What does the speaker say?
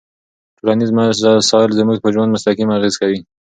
ټولنيز مسایل زموږ په ژوند مستقیم اغېز کوي.